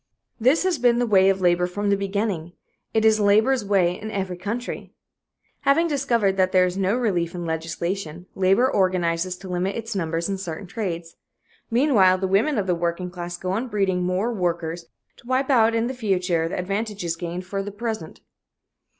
This has been the way of labor from the beginning. It is labor's way in every country. Having discovered that there is no relief in legislation, labor organizes to limit its numbers in certain trades. Meanwhile the women of the working class go on breeding more workers to wipe out in the future the advantages gained for the present.